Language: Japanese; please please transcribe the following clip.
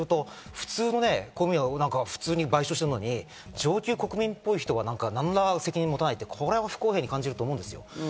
一般国民からすると普通の公務員を賠償しているのに、上級国民っぽい人は何ら責任を持たないって不公平に感じると思うんです。